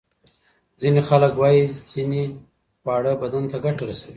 ځینې خلک وايي ځینې خواړه بدن ته ګټه رسوي.